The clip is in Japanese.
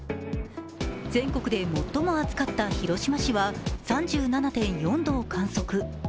全国で最も暑かった広島市は３７．４度を観測。